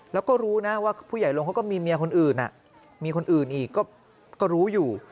แล้วก็รู้นะว่าผู้ใหญ่ลงเขาก็มีเมียคนอื่นมีคนอื่นอีกก็รู้อยู่